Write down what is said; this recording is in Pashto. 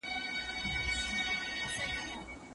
د کور د چارو اړوند د ميرمني سره مشوره کول ډير ښه کار دي.